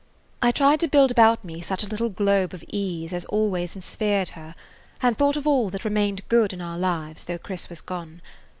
I tried to build about me such a little globe of ease as always ensphered her, and thought of all that remained good in our lives though Chris was gone.